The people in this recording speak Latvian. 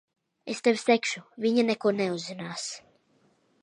Es tevi segšu. Viņa neko neuzzinās.